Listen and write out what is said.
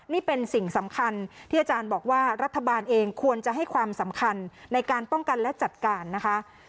นี่เป็นสิ่งสำคัญที่อาจารย์บอกว่ารัฐบาลเองควรจะให้ความสำคัญในการป้องกันและจัดการนะคะ